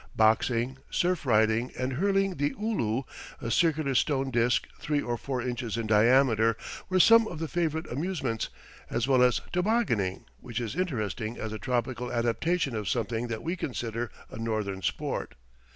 Boxing, surf riding and hurling the ulu a circular stone disk, three or four inches in diameter were some of the favourite amusements, as well as tobogganing, which is interesting as a tropical adaptation of something that we consider a Northern sport.